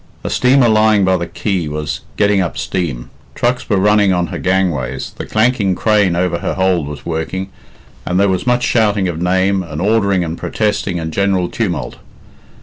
A steamer lying by the quay was getting up steam; trucks were running on her gangways, the clanking crane over her hold was working, and there was much shouting of name, and ordering and protesting, and general tumult.